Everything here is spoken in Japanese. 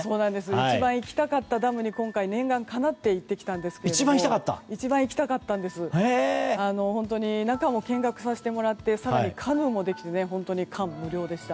一番行きたかったダムに今回、念願かなって行ってきたんですけど本当に中も見学させてもらって更にカヌーもできて本当に感無量でした。